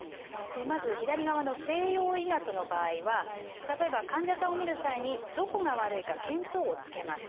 まず左側の西洋医学の場合は例えば患者さんを診る際にどこが悪いか見当をつけます。